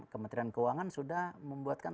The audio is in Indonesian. kementerian keuangan sudah membuatkan